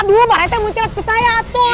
aduh pak rete munculat ke saya tuh